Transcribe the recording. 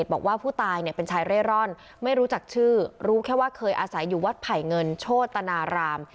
บอกว่าผู้ตายเป็นชายเร่ร่อนไม่รู้จักชื่อรู้แค่ว่าเคยอาศัยอยู่วัดไผ่เงินโชตนาราม